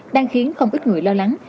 đang khiến không ít người lo lắng